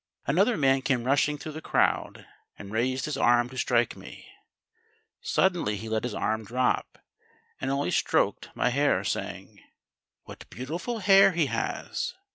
"Another man came rushing through the crowd and raised his arm to strike me. Suddenly he let his arm drop, and only stroked my hair, saying: 'What beautiful hair he has!'